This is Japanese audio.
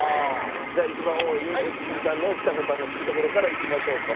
じゃあ一番多い良純さんのをちさ子さんが引くところからいきましょうか。